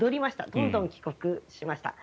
どんどん帰国しました。